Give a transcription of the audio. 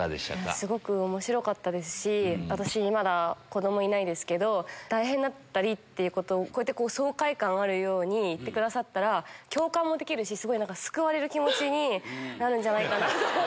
すごく面白かったですし私まだ子どもいないですけど大変だったりっていうことをこうやって爽快感あるように言ってくださったら共感もできるしすごい。になるんじゃないかなって。